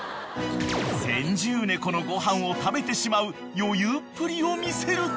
［先住猫のごはんを食べてしまう余裕っぷりを見せると］